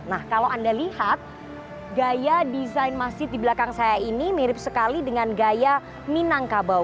nah kalau anda lihat gaya desain masjid di belakang saya ini mirip sekali dengan gaya minangkabau